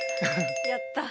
やった！